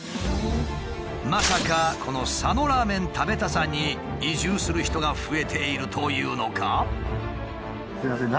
まさかこの佐野ラーメン食べたさに移住する人が増えているというのか？